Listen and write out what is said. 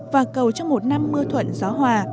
và cầu cho một năm mưa thuận gió hòa